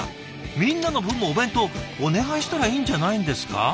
みんなの分もお弁当お願いしたらいいんじゃないんですか？